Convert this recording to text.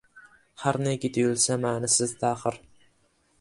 Har neki tuyulsa ma’nisiz, taxir